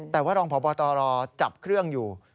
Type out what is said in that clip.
แต่ว่ารองพบตรจับเครื่องอยู่